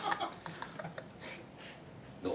どう？